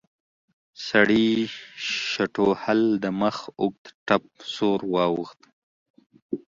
سړي شټوهل د مخ اوږد ټپ سور واوښت.